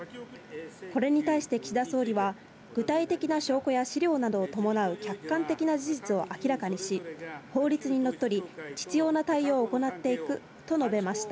これに対して岸田総理は、具体的な証拠や資料などを伴う客観的な事実を明らかにし、法律にのっとり、必要な対応を行っていくと述べました。